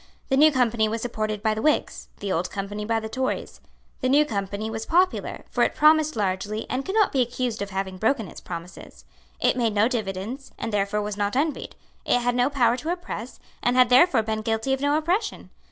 The New Company was supported by the Whigs, the Old Company by the Tories. The New Company was popular; for it promised largely, and could not be accused of having broken its promises; it made no dividends, and therefore was not envied; it had no power to oppress, and had therefore been guilty of no oppression.